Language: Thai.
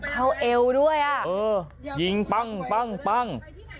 เอวด้วยอ่ะเออยิงปั้งปั้งปั้ง